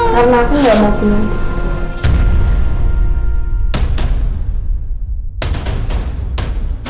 karena aku enggak mati